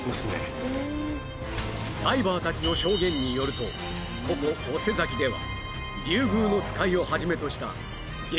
ダイバーたちの証言によるとここ大瀬崎ではリュウグウノツカイをはじめとした激